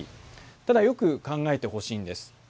ただよく考えてほしいんです。